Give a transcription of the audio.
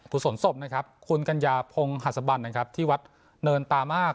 ขุดสนศพนะครับคุณกัญญาพงฮัศบัณฑ์นะครับที่วัดเนินตามาก